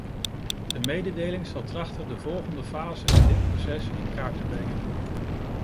De mededeling zal trachten de volgende fase in dit proces in kaart te brengen.